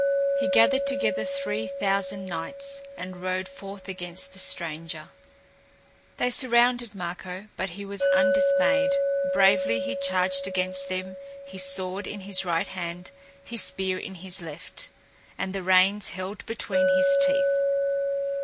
He gathered together three thousand knights and rode forth against the stranger. They surrounded Marko, but he was undismayed. Bravely he charged against them, his sword in his right hand, his spear in his left, and the reins held between his teeth.